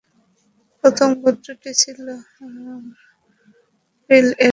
প্রথম গোত্রটি ছিল রূবীল-এর গোত্র।